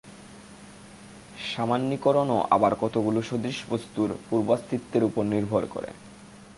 সামান্যীকরণও আবার কতকগুলি সদৃশ বস্তুর পূর্বাস্তিত্বের উপর নির্ভর করে।